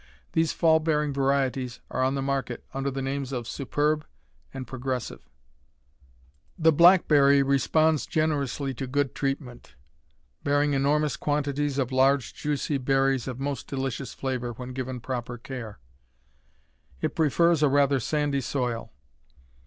These fall bearing varieties are on the market under the names of Superb and Progressive. The blackberry responds generously to good treatment, bearing enormous quantities of large, juicy berries of most delicious flavor when given proper care. It prefers a rather sandy soil.